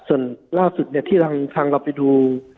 ส่วนล่าสุดที่ทางเราไปดู